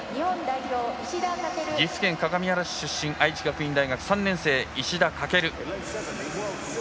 岐阜県各務原市出身愛知学院大学３年生、石田駆。